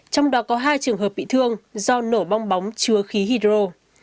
trong đó có hai trường hợp bị thương do nổ bong bóng chứa khí hydro